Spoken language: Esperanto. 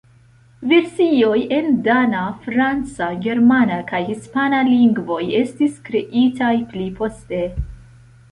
Versioj en dana, franca, germana kaj hispana lingvoj estis kreitaj pli poste.